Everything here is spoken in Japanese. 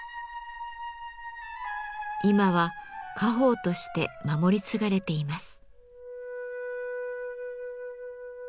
今は家宝として守り継がれています。